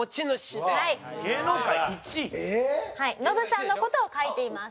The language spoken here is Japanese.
えーっ？ノブさんの事を書いています。